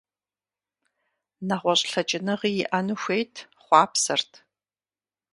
Нэгъуэщӏ лъэкӏыныгъи иӏэну хуейт, хъуапсэрт.